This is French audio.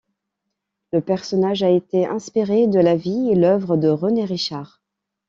Le personnage a été inspiré de la vie et l’œuvre de René Richard.